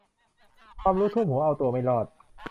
ความรู้ท่วมหัวเอาตัวไม่รอด